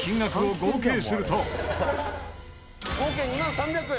「合計２万３００円」